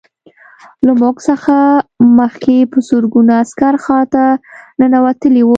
له موږ څخه مخکې په زرګونه عسکر ښار ته ننوتلي وو